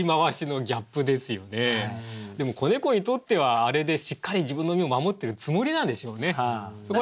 でも子猫にとってはあれでしっかり自分の身を守ってるつもりなんでしょうね。